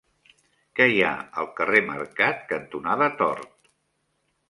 Què hi ha al carrer Mercat cantonada Tort?